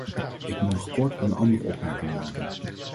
Ik moet nog kort een andere opmerking maken.